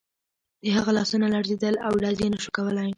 د هغه لاسونه لړزېدل او ډز یې نه شو کولای